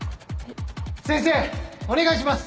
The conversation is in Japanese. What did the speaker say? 先生お願いします！